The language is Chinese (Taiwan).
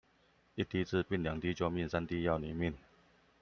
一滴治病，兩滴救命，三滴要你命